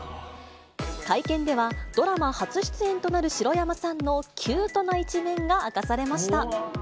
会見では、ドラマ初出演となる白山さんのキュートな一面が明かされました。